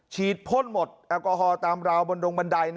พ่นหมดแอลกอฮอลตามราวบนดงบันได